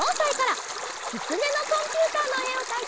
「きつねのコンピューター」のえをかいてくれました。